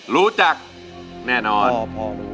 รู้จักแน่นอน